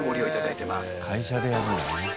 会社でやるんだね。